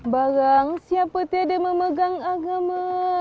bagang siapa tiada memegang agama